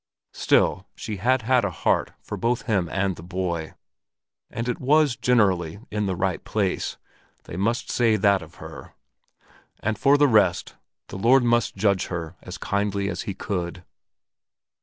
Still she had had a heart for both him and the boy, and it was generally in the right place—they must say that of her! And for the rest, the Lord must judge her as kindly as He could.